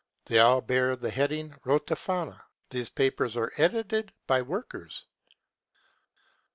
They all bear the heading Rote Fahne . These papers are edited by workers.